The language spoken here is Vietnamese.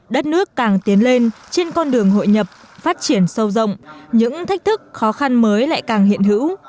đất nước càng tiến lên trên con đường hội nhập phát triển sâu rộng những thách thức khó khăn mới lại càng hiện hữu